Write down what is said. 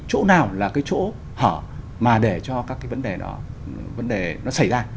cái chỗ nào là cái chỗ họ mà để cho các cái vấn đề đó xảy ra